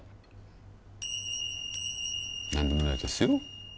何でもないですよ